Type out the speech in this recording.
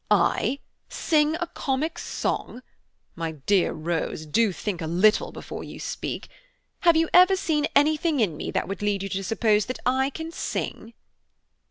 "I! I sing a comic song! my dear Rose, do think a little before you speak. Have you ever seen anything in me that would lead you to suppose than I can sing?"